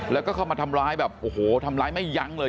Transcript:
แล้วก็เข้ามาทำร้ายแบบโอ้โหทำร้ายไม่ยั้งเลย